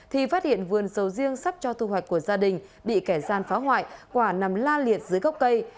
thì phát hiện vườn sầu riêng sắp cho thu hoạch của gia đình bị kẻ gian phá hoại quả nằm la liệt dưới gốc cây